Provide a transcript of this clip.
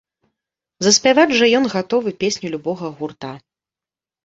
Заспяваць жа ён гатовы песню любога гурта.